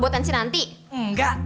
latingan per feedback